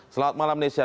selamat malam nesya